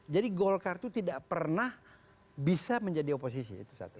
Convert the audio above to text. jadi golkar itu tidak pernah bisa menjadi oposisi